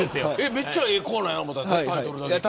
めっちゃええコーナーやと思ったけどタイトルだけ聞いたら。